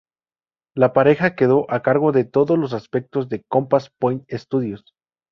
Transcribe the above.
La pareja quedó a cargo de todos los aspectos de Compass Point Studios.